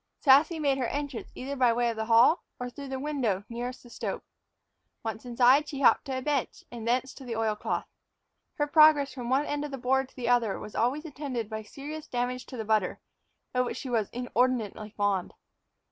Sassy made her entrance either by way of the hall or through the window nearest the stove. Once inside, she hopped to a bench, and thence to the oil cloth. Her progress from one end of the board to the other was always attended by serious damage to the butter, of which she was inordinately fond.